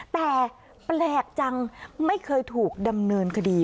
แต่แปลกจังไม่เคยถูกดำเนินคดี